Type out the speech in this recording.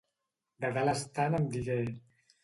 De dalt estant em digué...